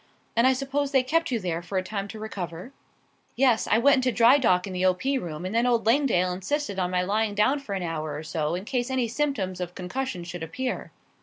"And I suppose they kept you there for a time to recover?" "Yes; I went into dry dock in the O. P. room, and then old Langdale insisted on my lying down for an hour or so in case any symptoms of concussion should appear.